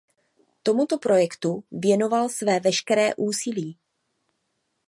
Tomuto projektu věnoval své veškeré úsilí.